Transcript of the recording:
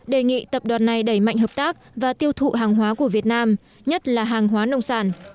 đề nghị tập đoàn này đẩy mạnh hợp tác và tiêu thụ hàng hóa của việt nam nhất là hàng hóa nông sản